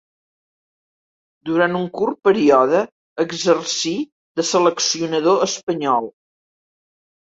Durant un curt període exercí de seleccionador espanyol.